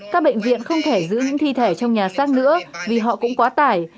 các bệnh viện không thể giữ những thi thể trong nhà xác nữa vì họ cũng quá tải